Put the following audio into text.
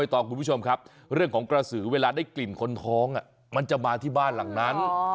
ต่อคุณผู้ชมครับเรื่องของกระสือเวลาได้กลิ่นคนท้องมันจะมาที่บ้านหลังนั้น